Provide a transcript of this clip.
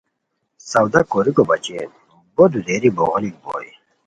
سودا کوریکو بچین بو دودیری بوغیلیک بوئے